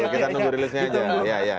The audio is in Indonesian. kita tunggu rilisnya aja